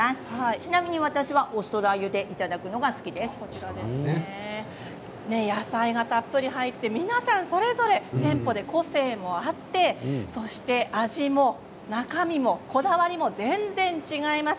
ちなみに私はお酢とラーユで野菜がたっぷり入って皆さん、それぞれ店舗で個性もあってそして味も中身もこだわりも全然違います。